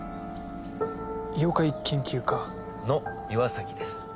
妖怪研究家の岩崎です